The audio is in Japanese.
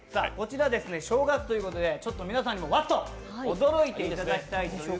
正月ということで、皆さんにもわっと驚いていただこうと。